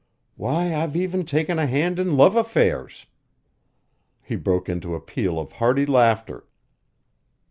Why, I've even taken a hand in love affairs!" He broke into a peal of hearty laughter.